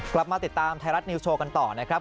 กลับมาติดตามไทยรัฐนิวโชว์กันต่อนะครับ